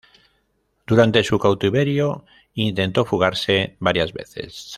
Durante su cautiverio intentó fugarse varias veces.